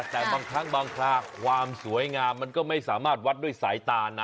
แต่บางครั้งบางคราความสวยงามมันก็ไม่สามารถวัดด้วยสายตานะ